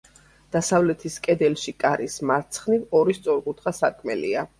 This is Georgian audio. დასავლეთის კედელში, კარის მარცხნივ, ორი სწორკუთხა სარკმელია.